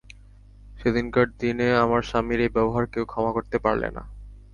সেদিনকার দিনে আমার স্বামীর এই ব্যবহার কেউ ক্ষমা করতে পারলে না।